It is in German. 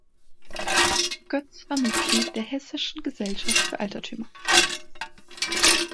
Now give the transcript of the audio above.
Götz war Mitglied der hessischen Gesellschaft für Alterthümer